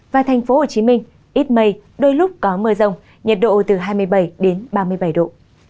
và thành phố hồ chí minh ít mây đôi lúc có mưa rông nhiệt độ từ hai mươi bảy đến ba mươi bảy độ